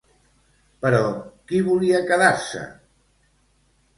Però qui volia quedar-se?